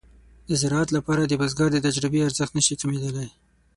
د زراعت لپاره د بزګر د تجربې ارزښت نشي کمېدلای.